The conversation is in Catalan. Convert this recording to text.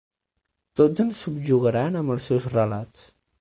Tots ens subjugaran amb els seus relats.